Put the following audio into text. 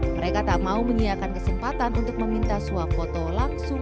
mereka tak mau menyiapkan kesempatan untuk meminta suap foto langsung